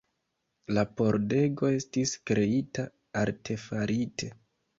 La pordego estis kreita artefarite.